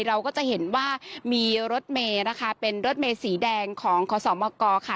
เราก็จะเห็นว่ามีรถเมย์นะคะเป็นรถเมสีแดงของขอสมกค่ะ